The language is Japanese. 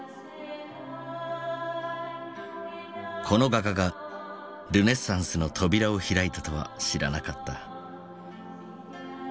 この画家がルネサンスの扉を開いたとは知らなかった。